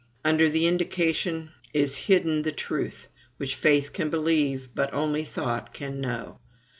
Under the indication is hidden the truth, which faith can believe, but only thought can know.